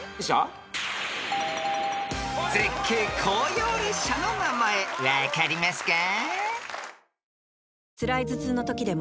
［絶景紅葉列車の名前分かりますか？］